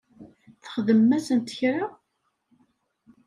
Txedmem-asent kra?